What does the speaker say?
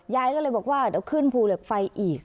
ยายก็เลยบอกว่าเดี๋ยวขึ้นภูเหล็กไฟอีก